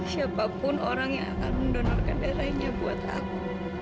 siapapun orang yang akan mendonorkan darahnya buat aku